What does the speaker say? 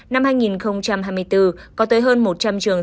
năm hai nghìn hai mươi bốn có tới hơn một trăm linh trường